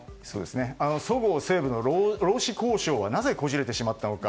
そごう・西武の労使交渉はなぜこじれてしまったのか。